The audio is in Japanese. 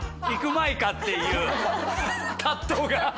いくまいか？っていう葛藤が。